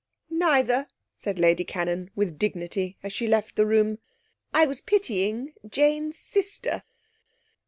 'Neither,' said Lady Cannon, with dignity as she left the room. 'I was pitying Jane's sister.'